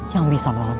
yang bisa melawan takdir